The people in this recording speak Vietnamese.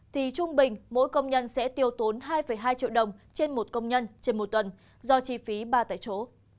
thì trung bình mỗi công nhân sẽ tiêu tốn hai hai triệu đồng trên một công nhân trên một tuần do chi phí ba tại chỗ